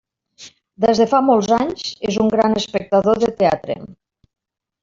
Des de fa molts anys, és un gran espectador de teatre.